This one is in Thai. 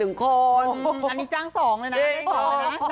อันนี้จังสองเลยนะ